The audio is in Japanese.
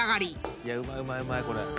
うまいうまいうまいこれ。